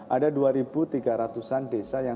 ada dua tiga ratus an desa yang